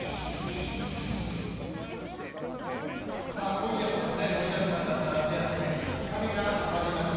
今夜も盛りだくさんだったアジア大会５日目が終わりました。